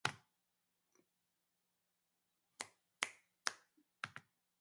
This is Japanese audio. グーグルから辿ってきたのですが、変なサイトに誘導されてしまったのでしょうか？